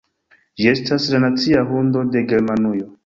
Ĝi estas la nacia hundo de Germanujo.